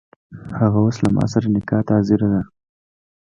هغه اوس له ماسره نکاح ته حاضره ده.